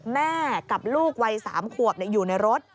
แม่กับลูกวัย๓ขวบอยู่ในรถ